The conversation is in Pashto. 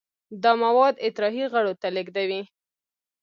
دا مواد اطراحي غړو ته لیږدوي.